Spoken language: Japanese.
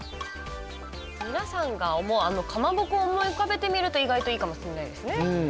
皆さんが思うかまぼこを思い浮かべてみると意外といいかもしれないですね。